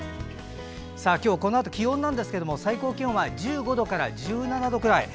今日、このあと気温なんですけど最高気温は１５度から１７度くらい。